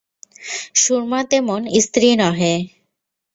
সুরমা তেমন স্ত্রী নহে।